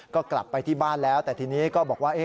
ก็กลับไปที่บ้านแล้วแต่ทีนี้ก็บอกว่า